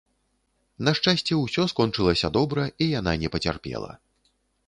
На шчасце, усё скончылася добра і яна не пацярпела.